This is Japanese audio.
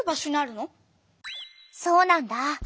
そうなんだ。